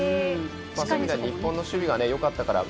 そういう意味では日本の守備がよかったから。